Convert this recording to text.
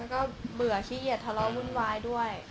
ก็เบื่อขี้เกียจทะเลาะวุ่นวายด้วย